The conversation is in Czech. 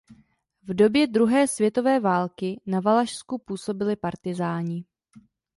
V době druhé světové války na Valašsku působili partyzáni.